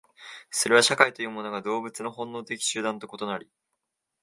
それは社会というものが動物の本能的集団と異なり、